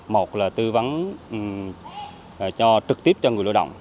một là tư vấn trực tiếp cho người lao động